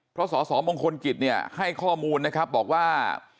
เพราะสสมงคลกิจเนี่ยให้ข้อมูลนะครับบอกว่า